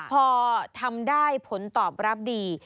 พอทำได้ผลตอบรับดี